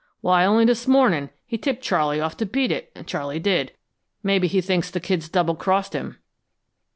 Why, only this morning, he tipped Charley off to beat it, and Charley did. Maybe he thinks the kid's double crossed him."